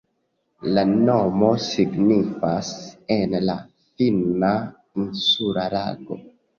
La nomo signifas en la finna "insula lago".